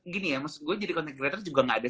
gini ya maksud gue jadi content creator juga gak ada